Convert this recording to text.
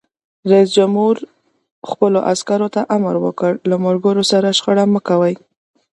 رئیس جمهور خپلو عسکرو ته امر وکړ؛ له ملګرو سره شخړه مه کوئ!